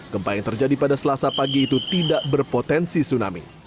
gempa yang terjadi pada selasa pagi itu tidak berpotensi tsunami